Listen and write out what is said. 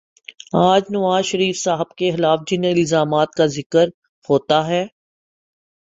آج نوازشریف صاحب کے خلاف جن الزامات کا ذکر ہوتا ہے،